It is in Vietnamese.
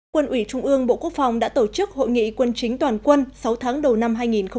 quân ủy trung ương bộ quốc phòng đã tổ chức hội nghị quân chính toàn quân sáu tháng đầu năm hai nghìn hai mươi